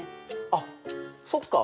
あっそっか。